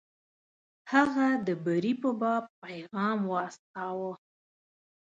هغه د بري په باب پیغام واستاوه.